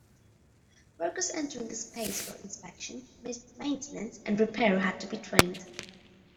Workers entering this space for inspection, maintenance and repair had to be trained.